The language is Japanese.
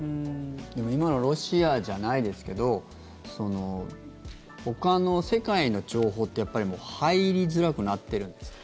でも今のロシアじゃないですけどほかの、世界の情報ってやっぱり入りづらくなってるんですか。